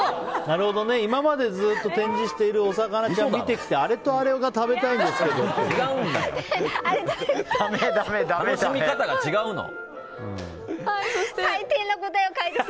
今までずっと展示しているお魚を見てきてあれとあれが食べたいんですけどって。